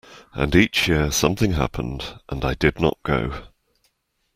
And each year something happened, and I did not go.